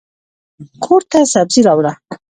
کورته سبزي راوړه.